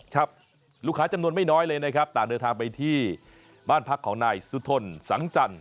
ครับลูกค้าจำนวนไม่น้อยเลยนะครับต่างเดินทางไปที่บ้านพักของนายสุธนสังจันท